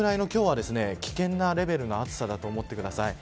それぐらいの今日は危険なレベルの暑さだと思ってください。